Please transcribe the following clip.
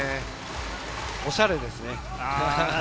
おしゃれですね。